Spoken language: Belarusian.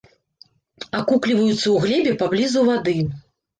Акукліваюцца ў глебе паблізу вады.